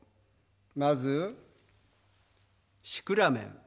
まずシクラメン。